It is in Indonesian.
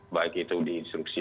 baik itu di instruksi